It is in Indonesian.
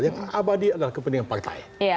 yang abadi adalah kepentingan partai